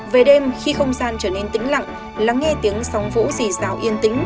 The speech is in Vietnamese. về đêm khi không gian trở nên tĩnh lặng lắng nghe tiếng sóng vũ rì rào yên tĩnh